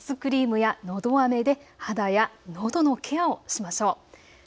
保湿クリームや、のどあめで肌やのどのケアをしましょう。